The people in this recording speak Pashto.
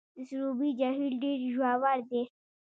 د سروبي جهیل ډیر ژور دی